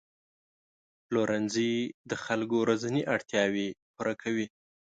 پلورنځي د خلکو ورځني اړتیاوې پوره کوي.